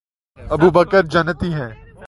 ابوبکر جنتی ہیں